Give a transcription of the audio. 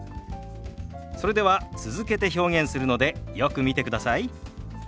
それでは続けて表現するのでよく見てください。